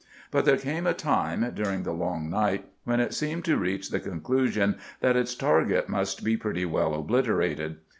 But there came a time, during the long night, when it seemed to reach the conclusion that its target must be pretty well obliterated.